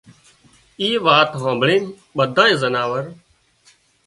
اي وات هانڀۯينَ ٻڌائي زناور